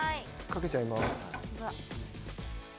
かけちゃいます。